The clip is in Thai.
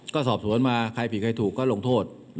ก็สอบสวนมาใครผิดใครถูกก็ลงโทษ